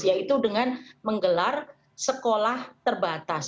yaitu dengan menggelar sekolah terbatas